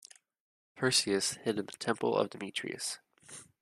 Perseus hid in the temple of Demetrius.